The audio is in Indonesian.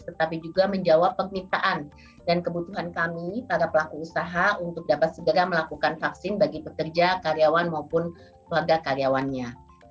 tetapi juga menjawab permintaan dan kebutuhan kami para pelaku usaha untuk dapat segera melakukan vaksin bagi pekerja karyawan maupun keluarga karyawannya